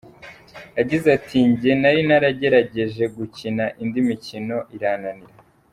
Yagize ati "Njye nari naragerageje gukina indi mikino irananira.